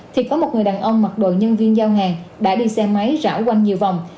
thì có một người đàn ông mặc đồ nhân viên giao hàng đã đi xe máy rão quanh nhiều vòng